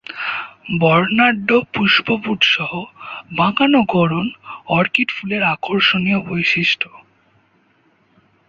বর্ণাঢ্য পুষ্পপুটসহ বাঁকানো গড়ন অর্কিড ফুলের আকর্ষণীয় বৈশিষ্ট্য।